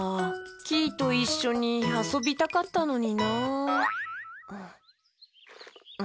キイといっしょにあそびたかったのになあ。